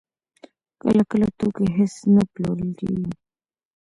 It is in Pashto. کله کله توکي هېڅ نه پلورل کېږي